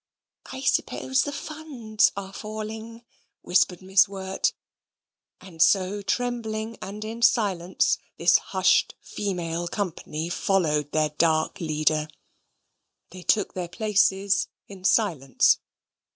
"I suppose the funds are falling," whispered Miss Wirt; and so, trembling and in silence, this hushed female company followed their dark leader. They took their places in silence.